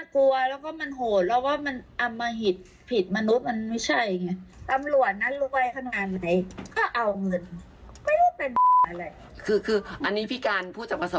คืออันนี้พี่การพูดจากภาษา